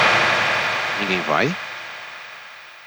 Ninguém vai?